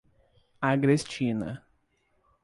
Agrestina